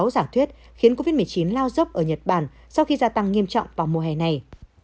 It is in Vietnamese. giả thuyết khiến covid một mươi chín lao dốc ở nhật bản sau khi gia tăng nghiêm trọng vào mùa hè này